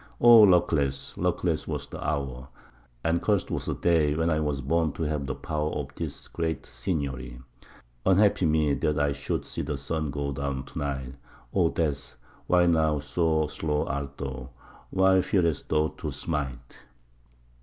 O luckless, luckless was the hour, and cursed was the day, When I was born to have the power of this great seniory! Unhappy me, that I should see the sun go down to night! O Death, why now so slow art thou, why fearest thou to smite?"